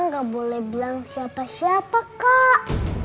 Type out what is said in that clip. nggak boleh bilang siapa siapa kak